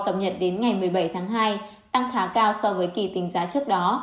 cập nhật đến ngày một mươi bảy tháng hai tăng khá cao so với kỳ tính giá trước đó